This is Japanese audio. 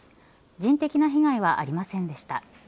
人的な被害はありませんでした。